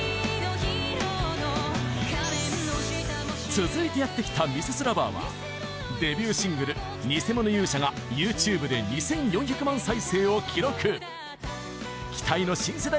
続いてやって来たミセス ＬＯＶＥＲ はデビューシングル『偽物勇者』が ＹｏｕＴｕｂｅ で２４００万再生を記録期待の新世代